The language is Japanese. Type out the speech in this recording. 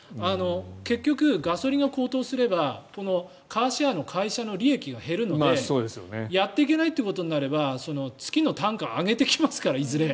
結局、ガソリンが高騰すればカーシェアの会社の利益が減るのでやっていけないということになれば月の単価を上げてきますから、いずれ。